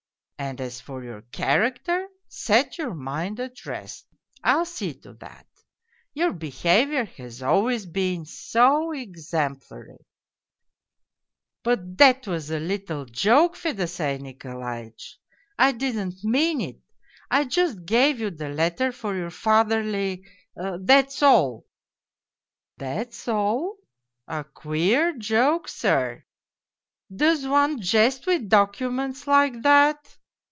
And as for your character, set your mind at rest : I'll see to that ! Your behaviour has always been so exemplary !'"' But that was a little joke, Fedosey Nikolaitch ! I didn't mean it, I just gave you the letter for your fatherly ... that's all/ "' That's all? A queer joke, sir ! Does one jest with docu ments like that